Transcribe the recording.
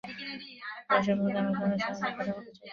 বাবার সম্পর্কে আমি কারো সঙ্গেই কথা বলতে চাই না।